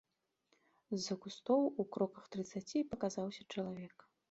З-за кустоў у кроках трыццаці паказаўся чалавек.